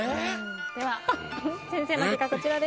では先生の結果こちらです。